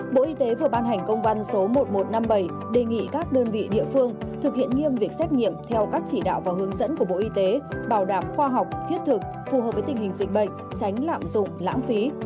bộ y tế vừa ban hành công văn số một nghìn một trăm năm mươi bảy đề nghị các đơn vị địa phương thực hiện nghiêm việc xét nghiệm theo các chỉ đạo và hướng dẫn của bộ y tế bảo đảm khoa học thiết thực phù hợp với tình hình dịch bệnh tránh lạm dụng lãng phí